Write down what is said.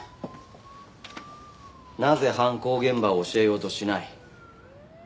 なぜ犯行現場を教えようとしない？